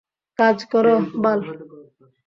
কাজ কর, বাল!